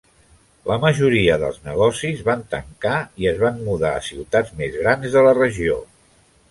La majoria dels negocis van tancar i es van mudar a ciutats més grans de la regió.